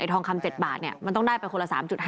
ทองคำ๗บาทมันต้องได้ไปคนละ๓๕